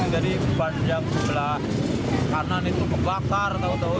jadi panjang sebelah kanan itu kebakar